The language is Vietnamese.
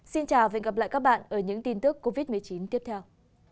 xin chào và hẹn gặp lại các bạn ở những tin tức covid một mươi chín tiếp theo